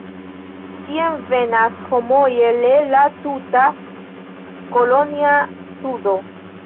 Tien venas homoje le la tuta kolonja sudo.